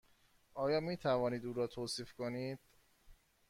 آیا می توانید او را توصیف کنید؟